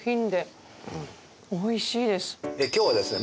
今日はですね